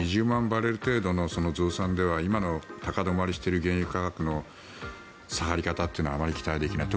バレル程度の増産では今の高止まりしている原油価格の下がり方というのはあまり期待できない。